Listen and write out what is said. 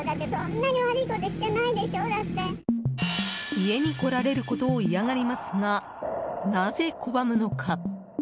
家に来られることを嫌がりますが、なぜ拒むのか。